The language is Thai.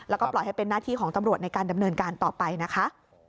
แล้วก็ปล่อยให้เป็นหน้าที่ของตำรวจในการดำเนินการต่อไปนะคะ